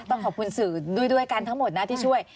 ต้องขอบคุณสื่อด้วยกันทั้งหมดนะที่ช่วย